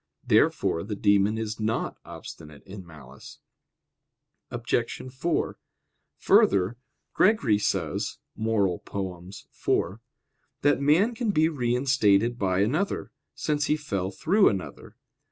Therefore the demon is not obstinate in malice. Obj. 4: Further, Gregory says (Moral. iv) that man can be reinstated by another, since he fell through another.